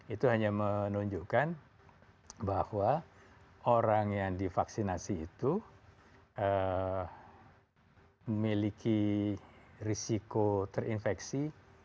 itu hanya menunjukkan bahwa orang yang divaksinasi itu memiliki risiko terinfeksi